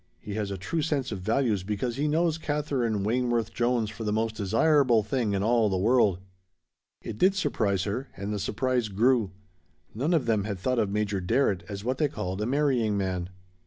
He has a true sense of values because he knows Katherine Wayneworth Jones for the most desirable thing in all the world." It did surprise her, and the surprise grew. None of them had thought of Major Darrett as what they called a marrying man.